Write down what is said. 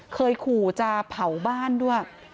เคยขู่จะเผาบ้านด้วย